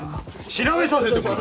調べさせてもらう。